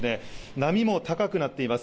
波も高くなっています。